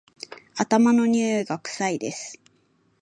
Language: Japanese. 頭のにおいが臭いです